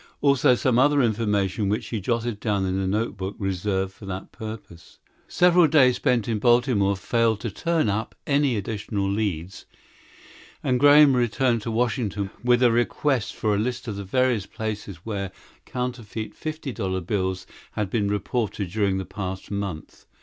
Also some other information which he jotted down in a notebook reserved for that purpose. Several days spent in Baltimore failed to turn up any additional leads and Graham returned to Washington with a request for a list of the various places where counterfeit fifty dollar bills had been reported during the past month.